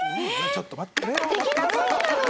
ちょっと待ってくれよ。